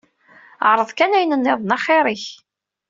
Ɛreḍ kan ayen nniḍen axir-ik.